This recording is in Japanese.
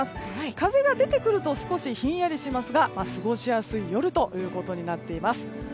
風が出てくると少しひんやりしますが過ごしやすい夜ということになっています。